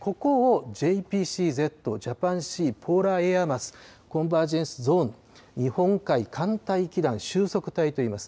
ここをＪＰＣＺ・ジャパン・シー・ポーラーエアマスコンバージェンスゾーン・日本海寒帯気団収束帯といいます。